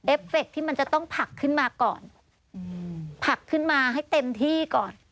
เฟคที่มันจะต้องผักขึ้นมาก่อนอืมผักขึ้นมาให้เต็มที่ก่อน